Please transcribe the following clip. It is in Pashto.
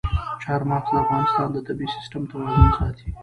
چار مغز د افغانستان د طبعي سیسټم توازن ساتي.